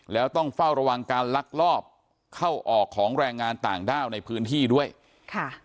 แล้วต้องเฝ้าระวังการลักลอบเข้าออกของแรงงานต่างด้าวในพื้นที่ด้วยค่ะ